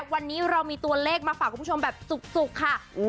วันนี้เรามีตัวเลขมาฝากคุณผู้ชมแบบจุกค่ะ